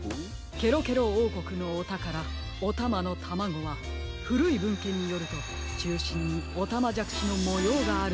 ケロケロおうこくのおたからおたまのタマゴはふるいぶんけんによるとちゅうしんにおたまじゃくしのもようがあるのです。